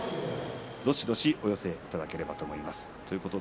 どしどしお寄せいただければと思います。